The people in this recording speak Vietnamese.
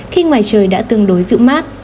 khi ngoài trời đã tương đối dự mát